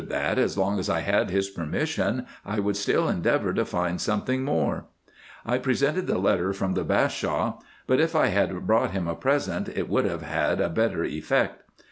B 186 RESEARCHES AND OPERATIONS as long as I had his permission, I would still endeavour to find something more. I presented the letter from the Bashaw ; hut, if I had brought him a present, it would have had a hetter effect.